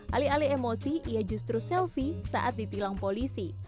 alih alih emosi ia justru selfie saat ditilang polisi